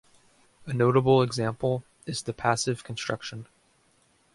A notable example is the passive construction.